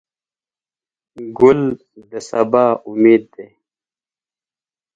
ګل د سبا امید دی.